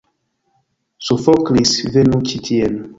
Sofoklis, venu ĉi tien!